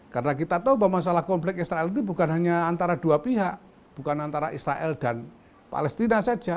karena kita tahu bahwa masalah konflik israel itu bukan hanya antara dua pihak bukan antara israel dan palestina saja